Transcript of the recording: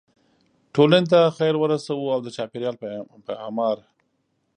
ټولنې ته خیر ورسوو او د چاپیریال په اعمار.